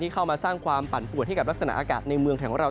เข้ามาสร้างความปั่นปวดให้กับลักษณะอากาศในเมืองไทยของเรา